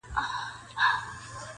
چي ناڅاپه د شاهین د منګول ښکار سو -